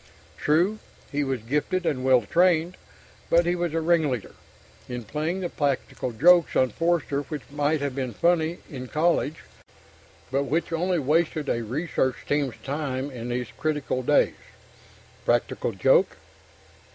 True, he was gifted and well trained, but he was a ringleader in playing the practical jokes on Forster which might have been funny in college, but which only wasted a research team's time in these critical days. Practical joke.